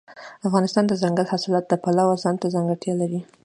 افغانستان د دځنګل حاصلات د پلوه ځانته ځانګړتیا لري.